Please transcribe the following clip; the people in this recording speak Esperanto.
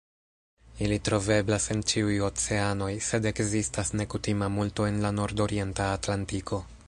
Ili troveblas en ĉiuj oceanoj, sed ekzistas nekutima multo en la nordorienta Atlantiko.